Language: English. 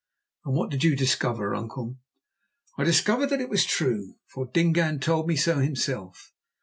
"And what did you discover, uncle?" "I discovered that it was true, for Dingaan told me so himself.